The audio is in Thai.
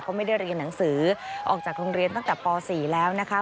ก็ไม่ได้เรียนหนังสือออกจากโรงเรียนตั้งแต่ป๔แล้วนะคะ